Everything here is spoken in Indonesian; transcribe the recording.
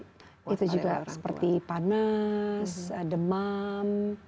itu juga seperti panas demam